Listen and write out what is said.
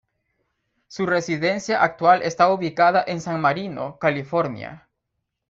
Su residencia actual está ubicada en San Marino, California.